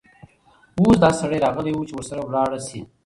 اوس دا سړى راغلى وو، چې ورسره ولاړه شې.